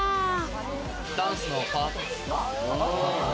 ダンスのパートナー。